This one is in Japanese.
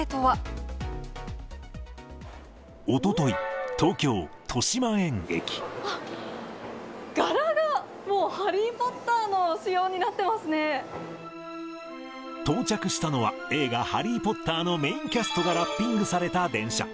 おととい、柄がもう、ハリー・ポッター到着したのは、映画ハリー・ポッターのメインキャストがラッピングされた電車。